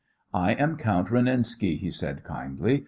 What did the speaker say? "I am Count Renenski," he said kindly.